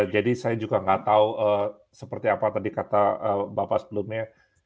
jadi saya juga nggak tahu seperti apa tadi kata bapak sebelumnya